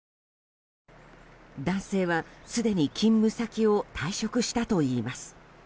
男性はすでに勤務先を退職したといいます。